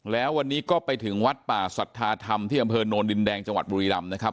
แล้ววันนี้ก็ไปถึงวัดป่าสัทธาธรรมที่อำเภอโนนดินแดงจังหวัดบุรีรำนะครับ